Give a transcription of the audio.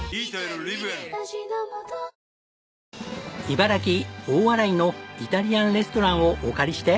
茨城大洗のイタリアンレストランをお借りして。